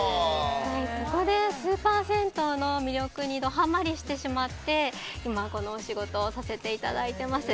そこでスーパー銭湯の魅力にドハマリしてしまって今、このお仕事をさせていただいてます。